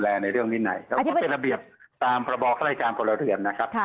แล้วก็เป็นระเบียบตามประบอบฆ่ารายการประเรือนนะครับ